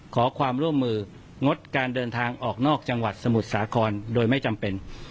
ขอความร่วมมืองดการเดินทางออกนอกจังหวัดสมุทรสาครโดยไม่จำเป็น